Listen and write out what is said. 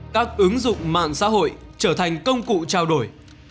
các ứng dụng mạng xã hội trở thành công cụ trao đổi